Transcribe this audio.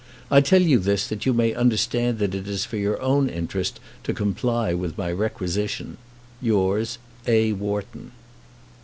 I tell you this that you may understand that it is for your own interest to comply with my requisition. Yours, A. WHARTON.